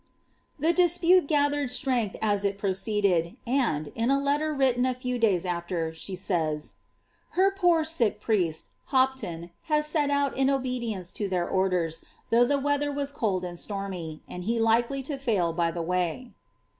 be dispute gathered strength as it proceeded, and, in a letter written r days after, she says, ^^ Her poor sick priest, Hopton, has set out in ience to their orders, though the weather was cold and stormy, and kely to fail by the way."